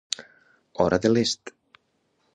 Hora de l'Est.